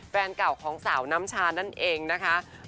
แฟนเก่าของสาวน้ำชานั่นเองนะคะ